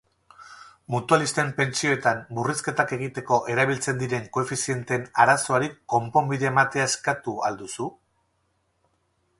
Mutualisten pentsioetan murrizketak egiteko erabiltzen diren koefizienteen arazoari konponbidea ematea eskatuko al duzu?